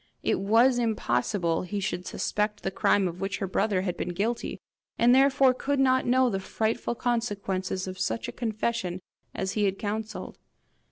It was impossible he should suspect the crime of which her brother had been guilty, and therefore could not know the frightful consequences of such a confession as he had counselled.